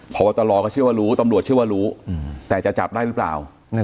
พบตรก็เชื่อว่ารู้ตำรวจเชื่อว่ารู้แต่จะจับได้หรือเปล่า